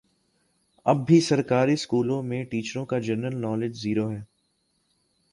اب بھی سرکاری سکولوں میں ٹیچروں کا جنرل نالج زیرو ہے